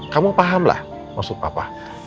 kamu paham lah maksud papa